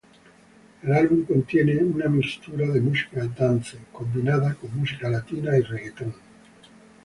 El álbum contiene una mixtura de música dance, combinada con música latina y reggaeton.